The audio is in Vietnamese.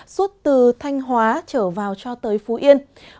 suốt từ thanh hóa trở vào cho tới phú yên